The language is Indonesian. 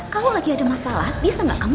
kalau lagi ada masalah bisa nggak kamu